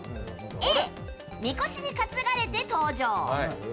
Ａ、みこしに担がれて登場。